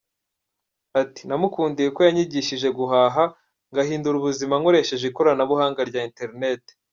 Ati”namukundiye ko yanyigishije guhaha ngahindura ubuzima nkoresheje ikoranabuhanga rya internet.